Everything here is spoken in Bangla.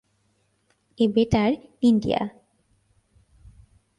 A better India.